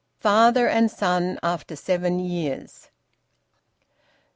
FATHER AND SON AFTER SEVEN YEARS.